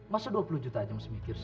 masa dua puluh juta aja masih mikir sih